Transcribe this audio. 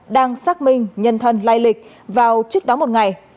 đang xác minh nhân thân lai lịch vào trước đó một ngày